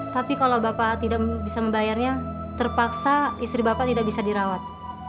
tapi kalau bapak tidak bisa membayarnya terpaksa istri bapak tidak bisa dirawat